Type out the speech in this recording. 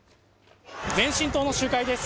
前進党の集会です。